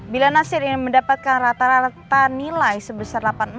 bila nasir ingin mendapatkan rata rata nilai sebesar delapan puluh empat